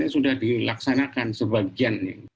sudah dilaksanakan sebagiannya